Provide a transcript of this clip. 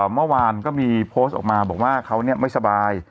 เมื่อวานก็มีโพสต์ออกมาบอกว่าเขาไม่สบาย